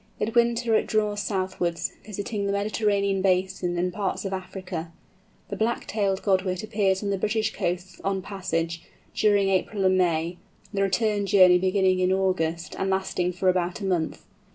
In winter it draws southwards, visiting the Mediterranean basin and parts of Africa. The Black tailed Godwit appears on the British coasts on passage, during April and May, the return journey beginning in August, and lasting for about a month.